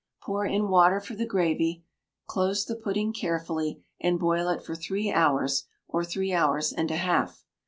Pour in water for the gravy, close the pudding carefully, and boil it for three hours or three hours and a half.